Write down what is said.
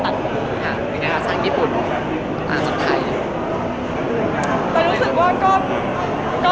อะไรใหม่ได้ตัด